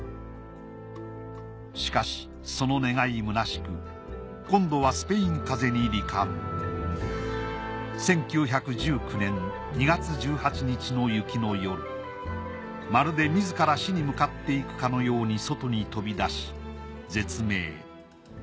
むなしく今度は１９１９年２月１８日の雪の夜まるで自ら死に向かっていくかのように外に飛び出し絶命。